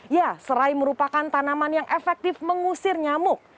ya serai merupakan tanaman yang efektif mengusir nyamuk